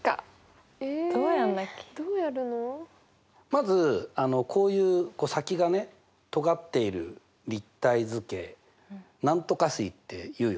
まずこういう先がねとがっている立体図形何とか錐っていうよね。